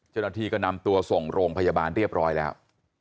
เจ้าหน้าที่ก็นำตัวส่งโรงพยาบาลเรียบร้อยแล้ว